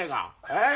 ええ？